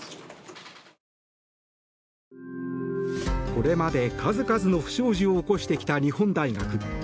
これまで数々の不祥事を起こしてきた日本大学。